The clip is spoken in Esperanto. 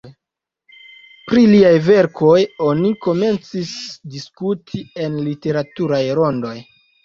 Pri liaj verkoj oni komencis diskuti en literaturaj rondoj.